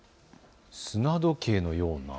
砂時計のような。